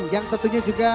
yang tentunya juga